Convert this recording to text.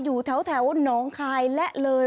อยู่แถวหนองคายและเลย